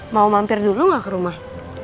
mau mampir dulu nggak ke rumah